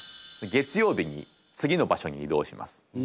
月曜日に次の場所に移動します。